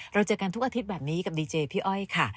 เจอกันทุกอาทิตย์แบบนี้กับดีเจพี่อ้อยค่ะ